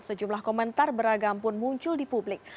sejumlah komentar beragam pun muncul di publik